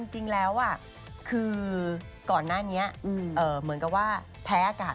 จริงแล้วคือก่อนหน้านี้เหมือนกับว่าแพ้อากาศ